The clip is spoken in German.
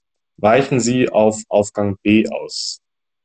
Weichen Sie auf Aufgang B aus.